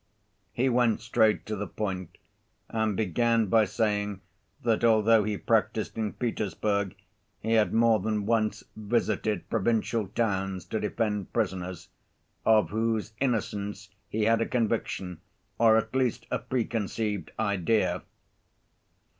He went straight to the point, and began by saying that although he practiced in Petersburg, he had more than once visited provincial towns to defend prisoners, of whose innocence he had a conviction or at least a preconceived idea.